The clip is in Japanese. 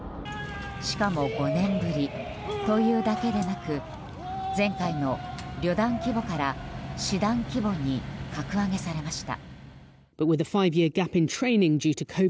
しかも５年ぶりというだけでなく前回の旅団規模から師団規模に格上げされました。